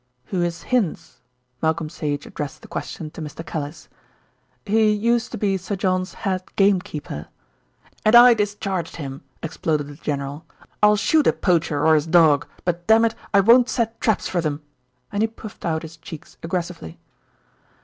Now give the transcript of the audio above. "Who is Hinds?" Malcolm Sage addressed the question to Mr. Callice. "He used to be Sir John's head gamekeeper " "And I discharged him," exploded the general. "I'll shoot a poacher or his dog; but, dammit! I won't set traps for them," and he puffed out his cheeks aggressively.